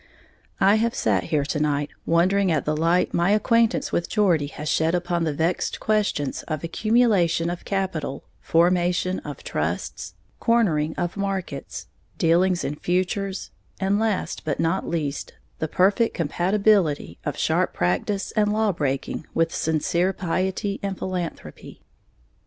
I have sat here to night wondering at the light my acquaintance with Geordie has shed upon the vexed questions of accumulation of capital, formation of trusts, cornering of markets, dealings in futures, and, last but not least, the perfect compatibility of sharp practice and law breaking with sincere piety and philanthropy.